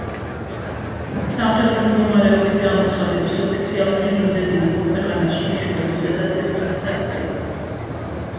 სამხედრო მდგომარეობის გამოცხადების ოფიციალური მიზეზი იყო „ქვეყანაში მშვიდობისა და წესრიგის აღდგენა“.